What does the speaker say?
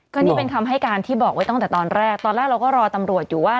ก็นี่เป็นคำให้การที่บอกไว้ตั้งแต่ตอนแรกตอนแรกเราก็รอตำรวจอยู่ว่า